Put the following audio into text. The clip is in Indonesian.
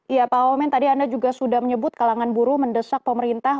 iya pak wamen tadi anda juga sudah menyebut kalangan buruh mendesak pemerintah